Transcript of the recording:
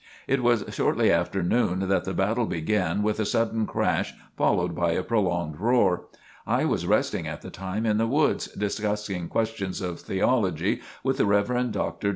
It was shortly after noon that the battle began with a sudden crash followed by a prolonged roar. I was resting at the time in the woods, discussing questions of theology with the Rev. Dr.